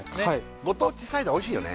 ご当地サイダー美味しいよね